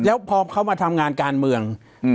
แล้วพอเขามาทำงานการเมือง